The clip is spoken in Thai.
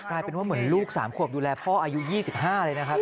กลายเป็นว่าเหมือนลูก๓ขวบดูแลพ่ออายุ๒๕เลยนะครับ